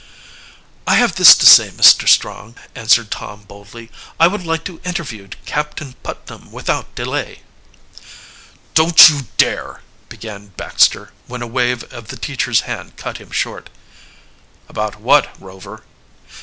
"I have this to say, Mr. Strong," answered Tom boldly. "I would like to interview Captain Putnam without delay." "Don't you dare " began Baxter, when a wave of the teacher's hand cut him, short. "About what, Rover?"